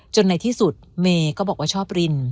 ในที่สุดเมย์ก็บอกว่าชอบริน